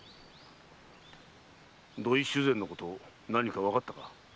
土井主膳のこと何かわかったか？